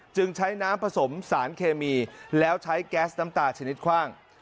จึงใช้น้ำผสมสารเคมีแล้วใช้แก๊สน้ำตาชนิดคว่าง